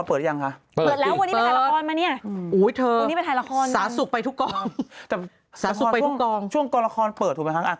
เพราะว่าตอนนี้ไปทะเลเผ้าเหมาะ